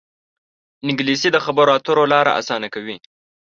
انګلیسي د خبرو اترو لاره اسانه کوي